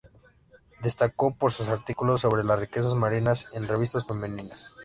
Destacó por sus artículos sobre las riquezas marinas en revistas femeninas.